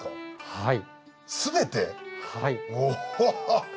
はい。